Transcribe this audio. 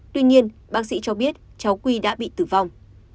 tuy nhiên bác sĩ cho biết cháu n c a qi đã bị tử vong